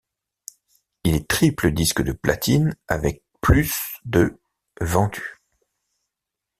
Il est triple disque de platine, avec plus de vendus.